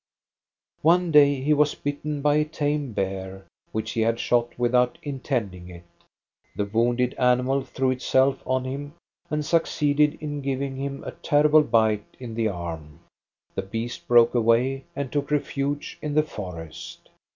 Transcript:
One day he was bitten by a tame bear which he had shot with out intending it. The wounded animal threw itself on him, and succeeded in giving him a terrible bite in the arm. The beast broke away and took refuge in the forest.